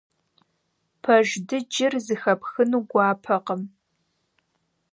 Пэж дыджыр зэхэпхыну гуапэкъым.